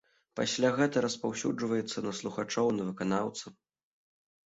Пасля гэта распаўсюджваецца і на слухачоў і на выканаўцаў.